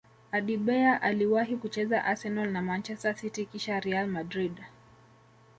adebayor aliwahi kucheza arsenal na manchester city kisha real madrid